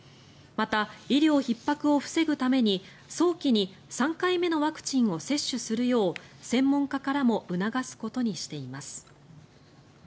また、医療ひっ迫を防ぐために早期に３回目のワクチンを接種するよう専門家からも促すことにしています。